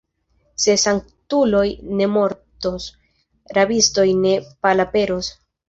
Se sanktuloj ne mortos, rabistoj ne malaperos.